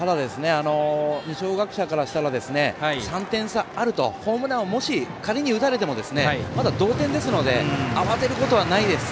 二松学舎大付属からしたら３点差あるとホームランを仮に打たれてもまだ同点ですので慌てることはないです。